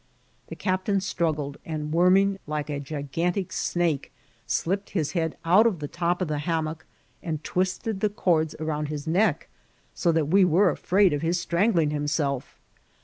The captain struggled, and, worming like a gigantic snake, slipped his head out of the top of the hammock, and twisted the cords around his neck, so that we were afraid of his strangling himself.